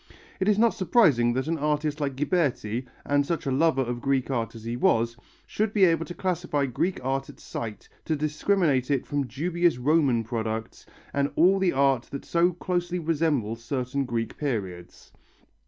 It is not surprising that an artist like Ghiberti, and such a lover of Greek art as he was, should be able to classify Greek art at sight, to discriminate it from dubious Roman products and all the art that so closely resembles certain Greek periods.